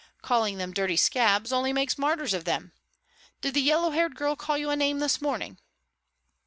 Calling them dirty scabs only makes martyrs of them. Did the yellow haired girl call you a name this morning?"